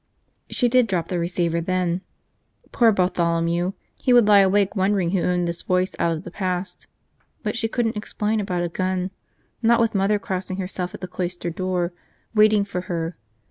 She did drop the receiver then. Poor Bartholomew, he would lie awake wondering who owned this voice out of the past; but she couldn't explain about a gun, not with Mother crossing herself at the cloister door, waiting for her.